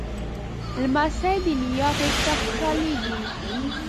لمسی د نیا غېږ ته خوشحالېږي.